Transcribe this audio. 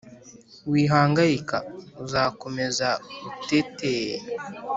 wihangayika, uzakomeza uteteee